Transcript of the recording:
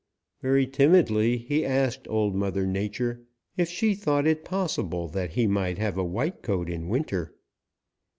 Very timidly he asked Old Mother Nature if she thought it possible that he might have a white coat in winter.